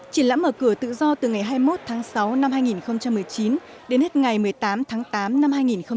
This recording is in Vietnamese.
triển lãm mở cửa tự do từ ngày hai mươi một tháng sáu năm hai nghìn một mươi chín đến hết ngày một mươi tám tháng tám năm hai nghìn hai mươi